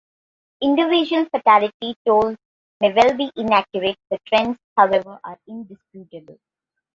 Individual fatality tolls may well be inaccurate; the trends, however, are indisputable.